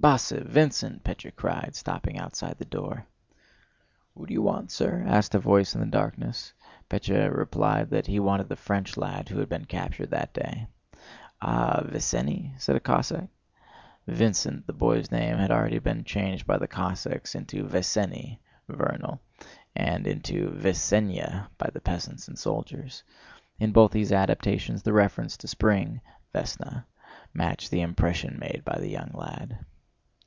"Bosse! Vincent!" Pétya cried, stopping outside the door. "Who do you want, sir?" asked a voice in the darkness. Pétya replied that he wanted the French lad who had been captured that day. "Ah, Vesénny?" said a Cossack. Vincent, the boy's name, had already been changed by the Cossacks into Vesénny (vernal) and into Vesénya by the peasants and soldiers. In both these adaptations the reference to spring (vesná) matched the impression made by the young lad.